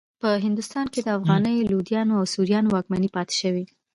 په هندوستان کې د افغاني لودیانو او سوریانو واکمنۍ پاتې شوې.